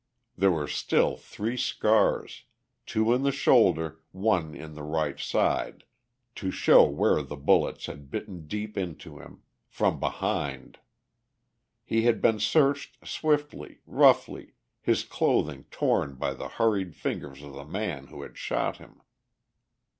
There were still three scars, two in the shoulder, one in the right side, to show where the bullets had bitten deep into him, from behind. He had been searched swiftly, roughly, his clothing torn by the hurried fingers of the man who had shot him.